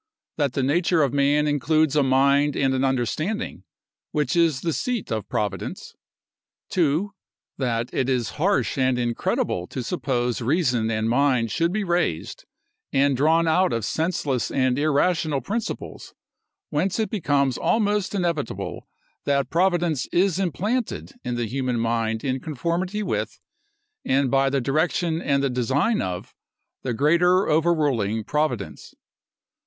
That the nature of man includes a mind and understanding, which is the seat of Providence. 2. That it is harsh and incredible to suppose reason and mind should be raised, and drawn out of senseless and irrational principles; whence it becomes almost inevitable, that providence is implanted in the human mind in conformity with, and by the direction and the design of the greater overruling Providence.